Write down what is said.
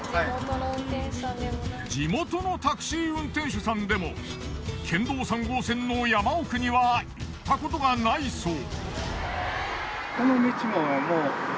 地元のタクシー運転手さんでも県道３号線の山奥には行ったことがないそう。